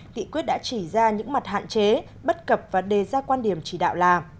nghị quyết đã chỉ ra những mặt hạn chế bất cập và đề ra quan điểm chỉ đạo là